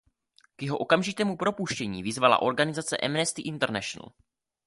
K jeho okamžitému propuštění vyzvala organizace Amnesty International.